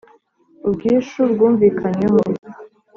Ubwishyu bwumvikanyweho